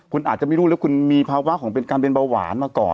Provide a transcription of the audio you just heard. คุณอาจจะไม่รู้แล้วคุณมีภาวะของเป็นการเป็นเบาหวานมาก่อน